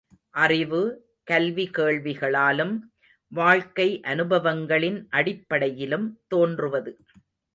அறிவு, கல்வி கேள்விகளாலும், வாழ்க்கை அனுபவங்களின் அடிப்படையிலும் தோன்றுவது.